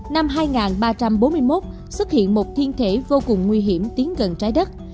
năm hai nghìn ba trăm bốn mươi một xuất hiện một thiên thể vô cùng nguy hiểm tiến gần trái đất